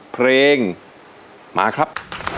เป็นตัวเองมาครับ